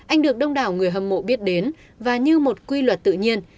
anh được đông đảo người hâm mộ biết đến và như một quy luật tự nhiên